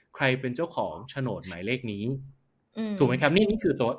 ใครเป็นเจ้าของโฉนดหมายเลขนี้ถูกไหมครับ